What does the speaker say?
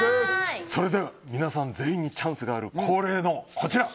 皆さん全員にチャンスがある恒例のこちら。